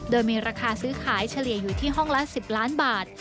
โดยมีราคาซื้อขายเฉลี่ยอยู่ที่ห้องละ๑๐ล้านบาท